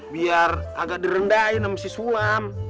biar agak direndahin sama si sulam